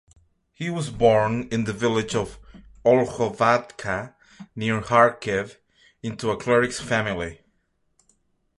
He was born in the village of Olkhovatka near Kharkiv into a cleric's family.